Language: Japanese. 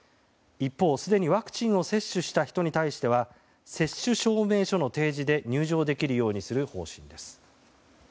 一方、すでにワクチンを接種した人に対しては接種証明書の提示で入場できるようにする方針です。